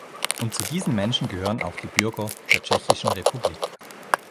Und zu diesen Menschen gehören auch die Bürger der Tschechischen Republik.